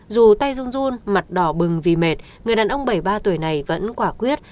dù tay rung run mặt đỏ bừng vì mệt người đàn ông bảy mươi ba tuổi này vẫn quả quyết